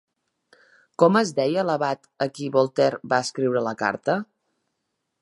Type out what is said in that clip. Com es deia l'abat a qui Voltaire va escriure la carta?